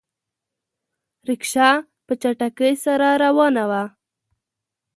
رکشه په چټکۍ سره روانه وه.